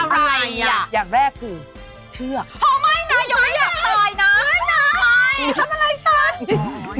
อะไรอ่ะอย่างแรกคือเชือกไม่นะทำอะไรฉัน